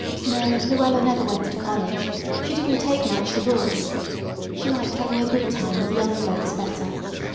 No, Luella never went to college. She didn't take much to books. She liked having a good time with young folks better.